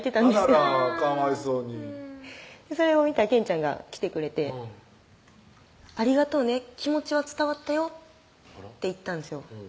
あららかわいそうにそれを見たケンちゃんが来てくれて「ありがとうね気持ちは伝わったよ」って言ったんですよ